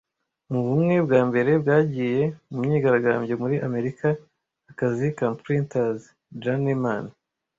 Mu , ubumwe bwa mbere bwagiye mu myigaragambyo muri Amerika akazi ka Printers Journeyman